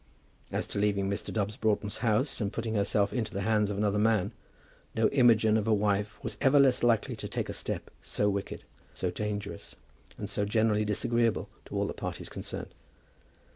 As to leaving Mr. Dobbs Broughton's house, and putting herself into the hands of another man, no Imogen of a wife was ever less likely to take a step so wicked, so dangerous, and so generally disagreeable to all the parties concerned.